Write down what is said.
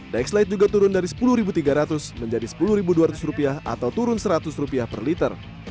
dex light juga turun dari rp sepuluh tiga ratus menjadi rp sepuluh dua ratus atau turun seratus rupiah per liter